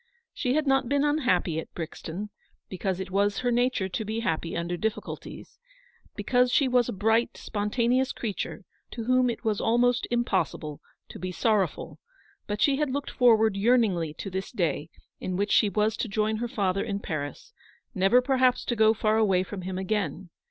She had not been un happy at Brixton, because it was her nature to be happy under difficulties, because she was a bright, spontaneous creature to whom it was almost im possible to be sorrowful ; but she had looked forward yearningly to this day, in which she was to join her father in Paris, never perhaps to go far away from him again.